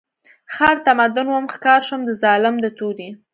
ښار د تمدن وم ښکار شوم د ظالم د تورې